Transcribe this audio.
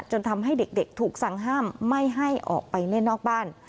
ทำให้เด็กถูกสั่งห้ามไม่ให้ออกไปเล่นนอกบ้าน